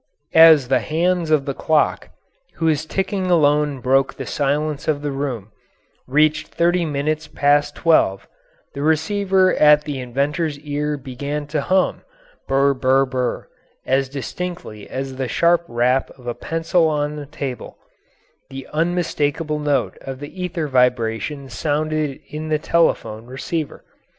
As the hands of the clock, whose ticking alone broke the stillness of the room, reached thirty minutes past twelve, the receiver at the inventor's ear began to hum, br br br, as distinctly as the sharp rap of a pencil on a table the unmistakable note of the ether vibrations sounded in the telephone receiver.